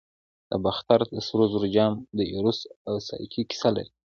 د باختر د سرو زرو جام د ایروس او سایکي کیسه لري